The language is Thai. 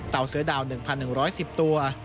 เต่าเสือดาว๑๑๑๐ตัว